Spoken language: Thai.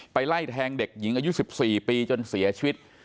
ไล่แทงเด็กหญิงอายุ๑๔ปีจนเสียชีวิต